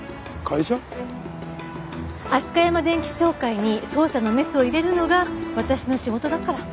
アスカヤマ電器商会に捜査のメスを入れるのが私の仕事だから。